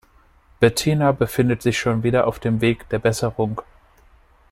Bettina befindet sich schon wieder auf dem Weg der Besserung.